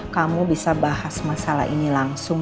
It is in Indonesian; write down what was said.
kamu bisa bahas masalah ini langsung